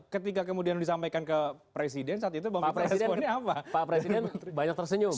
ketika kemudian disampaikan ke presiden saat itu bapak presiden banyak tersenyum